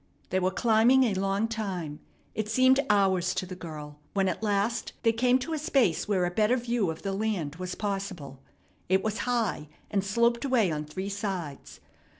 They were climbing a long time it seemed hours to the girl when at last they came to a space where a better view of the land was possible. It was high, and sloped away on three sides.